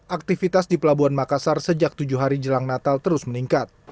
aktivitas di pelabuhan makassar sejak tujuh hari jelang natal terus meningkat